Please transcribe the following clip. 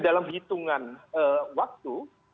dalam hitungan waktu